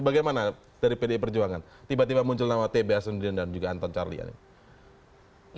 bagaimana dari pdi perjuangan tiba tiba muncul nama t b hasanuddin dan juga anton carlyan ini